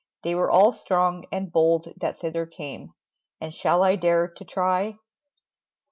They were all strong and bold That thither came; and shall I dare to try?